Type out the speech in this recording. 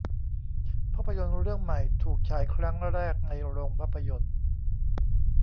ภาพยนตร์เรื่องใหม่ถูกฉายครั้งแรกในโรงภาพยนตร์